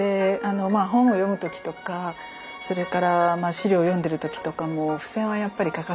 本を読む時とか資料を読んでる時とかも付箋はやっぱり欠かせないんですよね。